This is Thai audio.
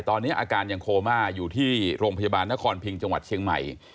ตอนนี้อาการยังโคม่าอยู่ที่โรงพยาบาลนครพิงจังหวัดเชียงใหม่